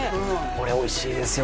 これおいしいですよ